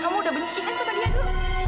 kamu udah benci kan sama dia du